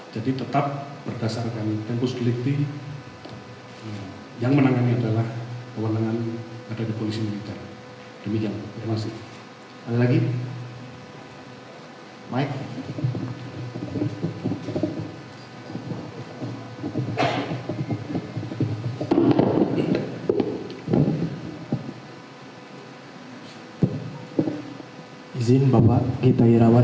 jadi tetap berdasarkan tempus delikti yang menangannya adalah kewenangan pada kepolisi militer